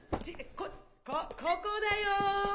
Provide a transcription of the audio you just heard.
こここだよ！